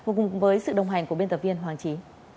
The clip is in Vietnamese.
cùng với sự đồng hành của biên tập viên hoàng trí